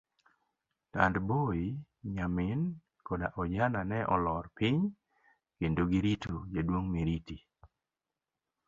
Tandboi, nyamin, koda ojana ne olor piny, kendo girito jaduong' Miriti.